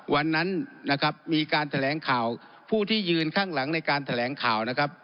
วันนั้นนะครับมีการแถลงข่าวผู้ที่ยืนข้างหลังในการแถลงข่าวนะครับ